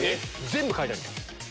・全部書いてあります。